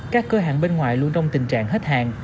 các cửa hàng bên ngoài luôn trong tình trạng hết hàng